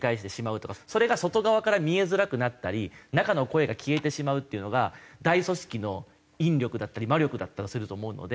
それが外側から見えづらくなったり中の声が消えてしまうっていうのが大組織の引力だったり魔力だったりすると思うので。